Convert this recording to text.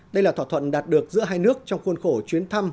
đây là thỏa thuận đạt được giữa hai nước trong khuôn khổ chuyến thăm